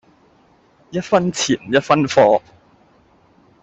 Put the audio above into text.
一分錢一分貨